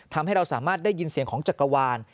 ทำให้เราสามารถได้ยินเสียงของจักรวาล